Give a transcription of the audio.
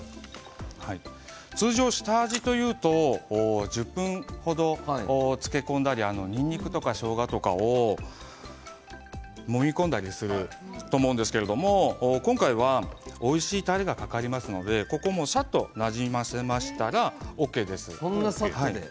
通常、下味というと１０分程、漬け込んだりにんにくとかしょうがとかをもみ込んだりすると思うんですけれども、今回はおいしいたれがかかりますのでここはさっとなじませましたらＯＫです。